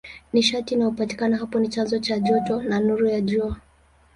Nishati inayopatikana hapo ni chanzo cha joto na nuru ya Jua.